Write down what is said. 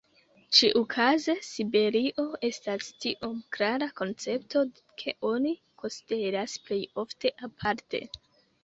Ĉiukaze Siberio estas tiom klara koncepto ke oni konsideras plej ofte aparte.